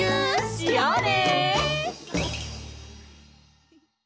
しようね！